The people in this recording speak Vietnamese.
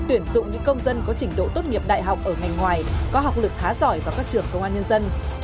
tuyển dụng những công dân có trình độ tốt nghiệp đại học ở ngành ngoài có học lực khá giỏi vào các trường công an nhân dân